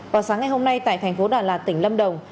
vào sáng ngày hôm nay tại thành phố đà lạt tỉnh lâm đồng